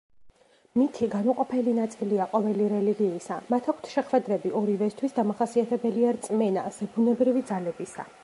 მითი განუყოფელი ნაწილია ყოველი რელიგიისა, მათ აქვთ შეხვედრები, ორივესთვის დამახასიათებელია რწმენა ზებუნებრივი ძალებისა.